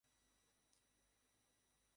কিছু রোজগারের চিন্তা করো।